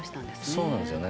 そうなんですよね。